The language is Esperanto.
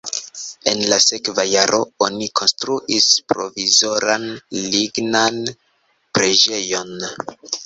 En la sekva jaro oni konstruis provizoran lignan preĝejon.